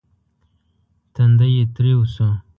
تندی يې تريو شو.